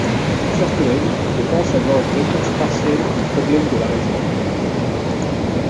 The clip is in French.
Mes chers collègues, je pense avoir une réponse partielle au problème de la réserve.